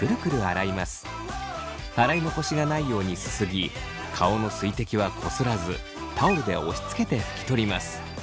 洗い残しがないようにすすぎ顔の水滴はこすらずタオルで押しつけて拭き取ります。